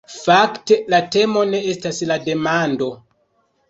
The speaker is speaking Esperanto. Fakte la temo ne estas la demando.